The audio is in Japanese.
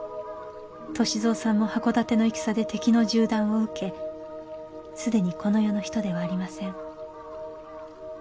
歳三さんも箱館の戦で敵の銃弾を受け既にこの世の人ではありません。